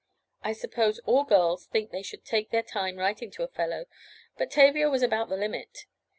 I suppose all girls think they should take their time writing to a fellow, but Tavia was about the limit.